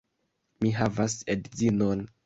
Mi havas edzinon.